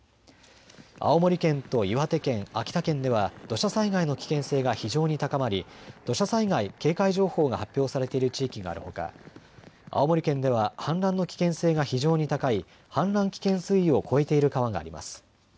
青森県と岩手県、秋田県では土砂災害の危険性が非常に高まり土砂災害警戒情報が発表されている地域があるほか、青森県では氾濫の危険性が非常に高い氾濫危険水位を超えている川があります。